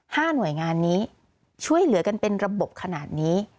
หน่วยงานนี้ช่วยเหลือกันเป็นระบบขนาดนี้